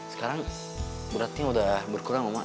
sekarang beratnya udah berkurang mama